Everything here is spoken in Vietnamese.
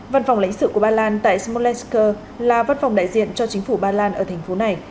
văn phòng lãnh sự của ba lan tại smolensk là văn phòng đại diện cho chính phủ ba lan ở thành phố này